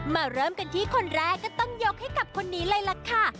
เริ่มกันที่คนแรกก็ต้องยกให้กับคนนี้เลยล่ะค่ะ